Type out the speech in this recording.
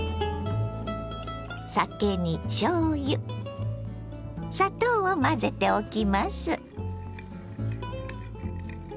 酒にしょうゆ砂糖を混ぜておきます。